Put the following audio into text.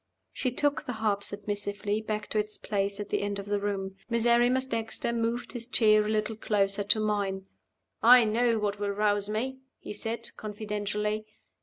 She took the harp submissively back to its place at the end of the room. Miserrimus Dexter moved his chair a little closer to mine. "I know what will rouse me," he said, confidentially.